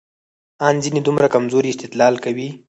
ان ځينې دومره کمزورى استدلال کوي،